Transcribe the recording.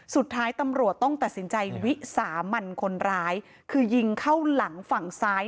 สุดท้ายตำรวจต้องตัดสินใจวิสามันคนร้ายคือยิงเข้าหลังฝั่งซ้าย